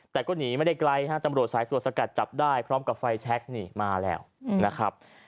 แต่ก็หนีไม่ได้ไกลฮะตำรวจสายตรวจสกัดจับได้พร้อมกับไฟแช็คนี่มาแล้วนะครับ